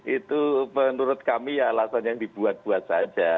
itu menurut kami alasan yang dibuat buat saja